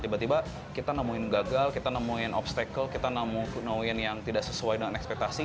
tiba tiba kita nemuin gagal kita nemuin obstacle kita nemuin yang tidak sesuai dengan ekspektasi